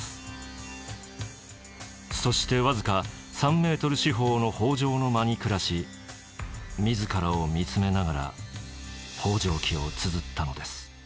そして僅か３メートル四方の方丈の間に暮らし自らを見つめながら「方丈記」をつづったのです。